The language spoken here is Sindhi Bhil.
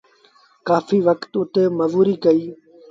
ڪآڦيٚ وکت اُت مزوريٚ ڪئيٚ۔